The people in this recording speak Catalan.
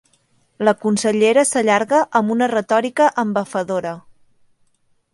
La consellera s'allarga amb una retòrica embafadora.